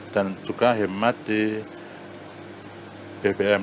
dan juga hemat di bbm